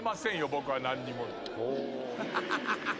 僕は何にも。